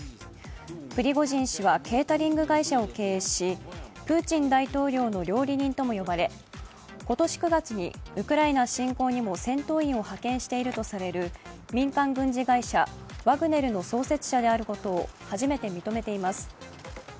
プリゴジン氏はケータリング会社を経営しプーチン大統領の料理人とも呼ばれ、今年９月にウクライナ侵攻にも戦闘員を派遣しているとされる民間軍事会社ワグネルの創設者であることを初めて認めています。